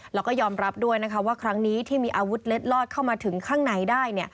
แล้วก็ยอมรับด้วยนะคะว่าครั้งนี้ที่มีอาวุธเล็ดลอดเข้ามาถึงข้างในได้